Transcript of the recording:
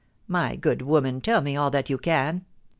My good woman, tell me all that you can.